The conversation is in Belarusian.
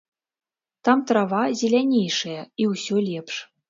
Там трава зелянейшая і ўсё лепш.